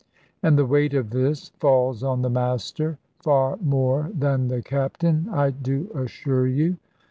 And the weight of this falls on the Master, far more than the Captain, I do assure you.